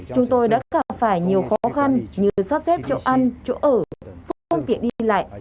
chúng tôi đã gặp phải nhiều khó khăn như sắp xếp chỗ ăn chỗ ở phương tiện đi lại